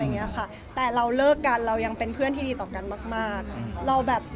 ก็คือเรนเด็ลเนี่ยแหละที่เป็นคนรู้คนแรก